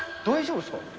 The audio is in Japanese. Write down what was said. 大丈夫ですか？